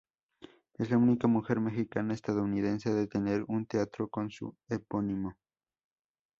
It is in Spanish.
Es la única mujer mexicana-estadounidense de tener un teatro con su epónimo.